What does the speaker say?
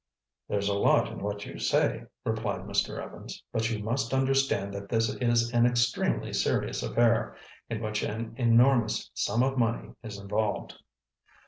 "There's a lot in what you say," replied Mr. Evans. "But you must understand that this is an extremely serious affair—in which an enormous sum of money is involved."